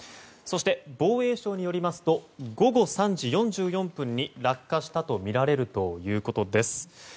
そして防衛省によりますと午後３時４４分に落下したとみられるということです。